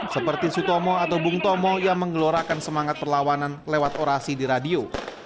seperti sutomo atau bung tomo yang menggelorakan semangat perlawanan lewat orasi di radio